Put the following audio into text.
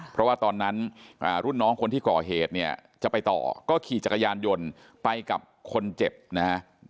เพราะว่าตอนนั้นรุ่นน้องคนที่ก่อเหตุเนี่ยจะไปต่อก็ขี่จักรยานยนต์ไปกับคนเจ็บนะฮะ